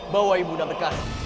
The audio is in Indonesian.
bawa ibu dan dekan